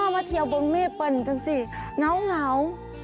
มาเที่ยวบนเมฆเปิ้ลจังสิเหงา